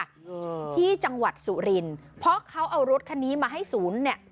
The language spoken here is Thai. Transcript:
อืมที่จังหวัดสุรินทร์เพราะเขาเอารถคันนี้มาให้ศูนย์เนี้ย